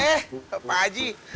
eh pak haji